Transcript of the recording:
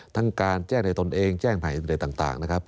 ทั้งการแจ้งในตนเองแจ้งภัยอะไรต่างนะครับ